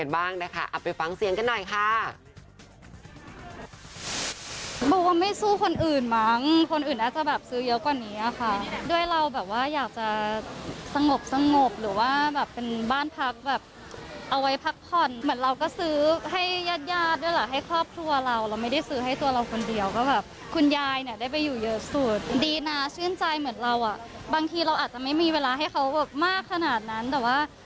บอกว่าไม่สู้คนอื่นมั้งคนอื่นอาจจะแบบซื้อเยอะกว่านี้ค่ะด้วยเราแบบว่าอยากจะสงบสงบหรือว่าแบบเป็นบ้านพักแบบเอาไว้พักผ่อนเหมือนเราก็ซื้อให้ญาติด้วยล่ะให้ครอบครัวเราเราไม่ได้ซื้อให้ตัวเราคนเดียวก็แบบคุณยายเนี่ยได้ไปอยู่เยอะสุดดีน้าชื่นใจเหมือนเราอ่ะบางทีเราอาจจะไม่มีเวลาให้เขามากขนาดนั้นแต่ว่า